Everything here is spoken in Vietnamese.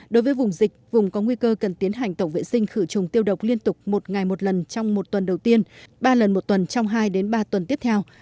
đối với vùng dịch vùng có nguy cơ cần tiến hành tổng vệ sinh khử trùng tiêu độc liên tục một ngày một lần trong một tuần đầu tiên ba lần một tuần trong hai ba tuần tiếp theo